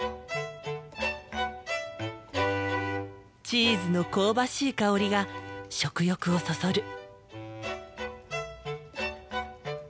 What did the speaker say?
チーズの香ばしい香りが食欲をそそる。